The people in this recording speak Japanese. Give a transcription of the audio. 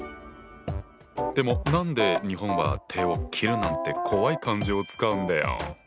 でも何で日本は手を切るなんて怖い漢字を使うんだよ？